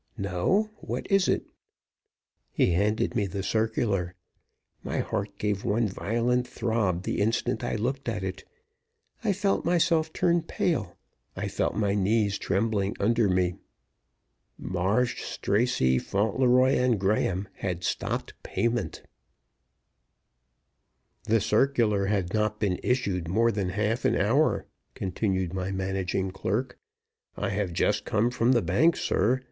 "No. What is it?" He handed me the circular. My heart gave one violent throb the instant I looked at it. I felt myself turn pale; I felt my knees trembling under me. Marsh, Stracey, Fauntleroy & Graham had stopped payment. "The circular has not been issued more than half an hour," continued my managing clerk. "I have just come from the bank, sir.